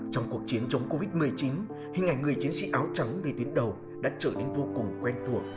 trong cuộc chiến chống covid một mươi chín hình ảnh người chiến sĩ áo trắng đi đến đầu đã trở nên vô cùng quen thuộc